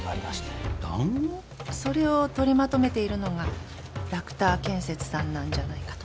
それを取りまとめているのがラクター建設さんなんじゃないかと。